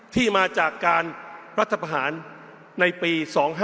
ที่มาจากการรัฐประหารในปี๒๕๕๙